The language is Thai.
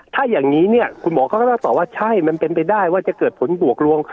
ถ้าอย่างนี้เนี่ยคุณหมอเขาก็เล่าต่อว่าใช่มันเป็นไปได้ว่าจะเกิดผลบวกลวง